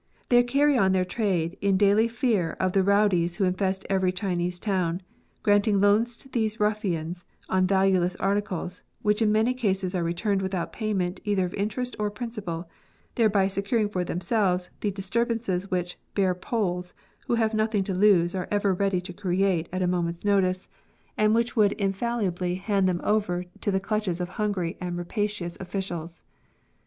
They carry on their trade in daily fear of the rowdies who infest every Chinese town, granting loans to these ruffians on valueless articles, which in many cases are returned without payment either of interest or prin cipal, thereby securing themselves from the disturb ances which ''bare poles" who have nothing to lose are ever ready to create at a moment's notice, and FA WNBROKERS. which would infallibly hand them over to the clutches of hungry and rapacious officials.